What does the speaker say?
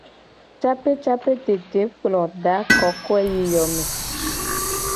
Capecapetete kplo da kokoe yi yo me.